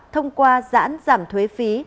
thông qua giãn giảm thuế phí